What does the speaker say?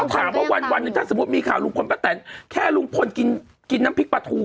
ถามว่าวันหนึ่งถ้าสมมุติมีข่าวลุงพลป้าแตนแค่ลุงพลกินน้ำพริกปลาทู